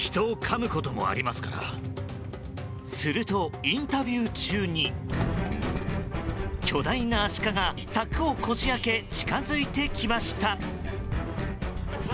すると、インタビュー中に巨大なアシカが柵をこじ開け近づいてきました。